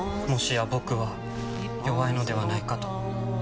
もしや僕は弱いのではないかと。